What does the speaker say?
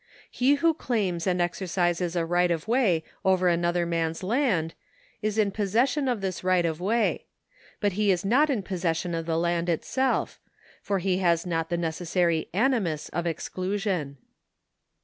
He who claims and exercises a right of way over another man's land is in possession of this right of way ; but he is not in possession of the land its3lf, for he has not the necessary animus of exclusion.